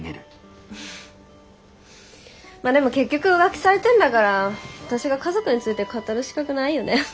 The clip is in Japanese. まあでも結局浮気されてんだから私が家族について語る資格ないよね。